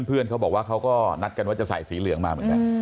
เพื่อนเค้าบอกว่าเค้าก็นัดกันว่าจะใส่สีเหลืองมาบ้าง